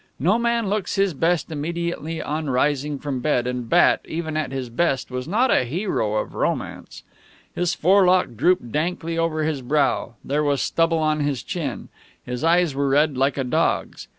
No man looks his best immediately on rising from bed, and Bat, even at his best, was not a hero of romance. His forelock drooped dankly over his brow; there was stubble on his chin; his eyes were red, like a dog's.